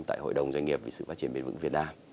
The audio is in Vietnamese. tại hội đồng doanh nghiệp về sự phát triển biến vững việt nam